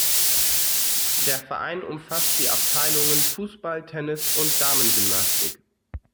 Der Verein umfasst die Abteilungen Fußball, Tennis und Damengymnastik.